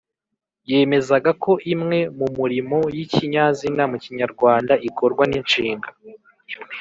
yemezaga ko imwe mu murimo y’ikinyazina mu kinyarwanda ikorwa n’inshinga